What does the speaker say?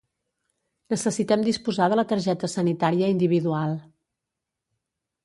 Necessitem disposar de la targeta sanitària individual.